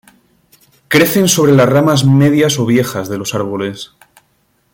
Crecen sobre las ramas medias o viejas de los árboles.